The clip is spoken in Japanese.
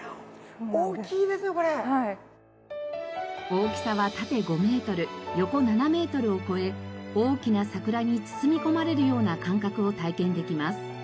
大きさは縦５メートル横７メートルを超え大きな桜に包み込まれるような感覚を体験できます。